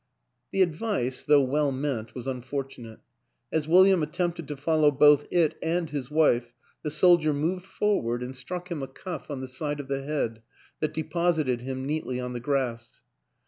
The advice, though well meant, was unfortu nate. As William attempted to follow both it and his wife, the soldier moved forward and struck him a cuff on the side of the head that deposited him neatly on the grass.